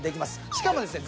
しかもですね